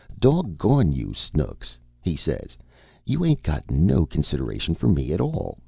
"'Dog gone you, Snooks!' he says, 'you ain't got no consideration for me at all.